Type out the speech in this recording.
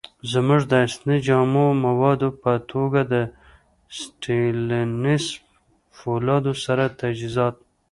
زمونږ د اصلی. خامو موادو په توګه د ستينليس فولادو سره تجهیزات